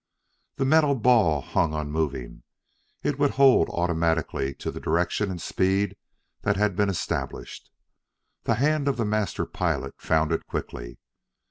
The metal ball hung unmoving; it would hold automatically to the direction and speed that had been established. The hand of the master pilot found it quickly.